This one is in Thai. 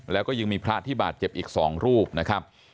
แล้วก็ยังมีพระที่บาดเจ็บอีก๒รูปนะครับ